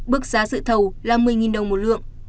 bước giá dự thầu là một mươi đồng một lượng